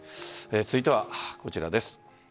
続いてはこちらです。